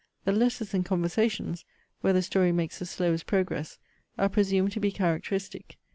The letters and conversations, where the story makes the slowest progress, are presumed to be characteristic.